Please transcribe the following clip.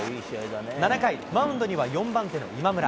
７回、マウンドには４番手の今村。